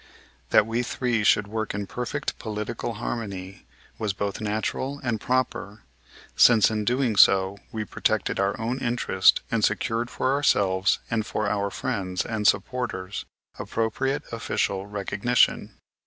That we three should work in perfect political harmony was both natural and proper, since, in doing so, we protected our own interests and secured for ourselves, and for our friends and supporters, appropriate official recognition.